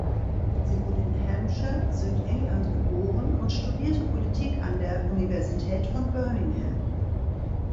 Sie wurde in Hampshire, Südengland geboren und studierte Politik an der Universität von Birmingham.